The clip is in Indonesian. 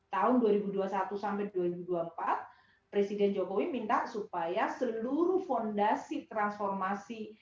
tahun dua ribu dua puluh satu sampai dua ribu dua puluh empat presiden jokowi minta supaya seluruh fondasi transformasi